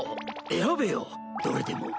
選べよどれでも。